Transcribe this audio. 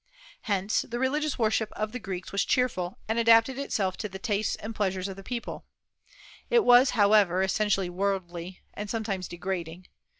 Hence the religious worship of the Greeks was cheerful, and adapted itself to the tastes and pleasures of the people; it was, however, essentially worldly, and sometimes degrading.